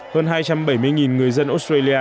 hơn hai trăm bảy mươi người dân australia